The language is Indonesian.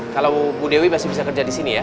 kalau mbak dewi masih bisa kerja disini ya